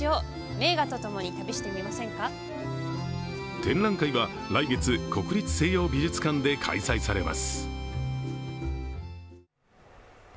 展覧会は来月、国立西洋美術館で開催されます。